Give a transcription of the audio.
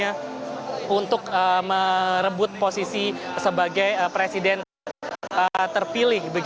yang tersebut adalah untuk merebut posisi sebagai presiden terpilih